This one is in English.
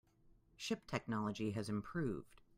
Ship technology has improved.